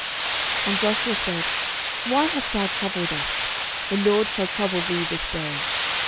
06:007:025 And Joshua said, Why hast thou troubled us? the LORD shall trouble thee this day.